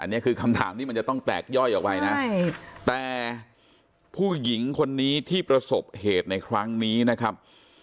อันนี้คือคำถามที่มันจะต้องแตกย่อยออกไปนะแต่ผู้หญิงคนนี้ที่ประสบเหตุในครั้งนี้นะครับ